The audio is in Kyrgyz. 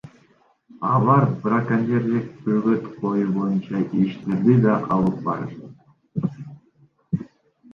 Алар браконьерликке бөгөт коюу боюнча иштерди да алып барышат.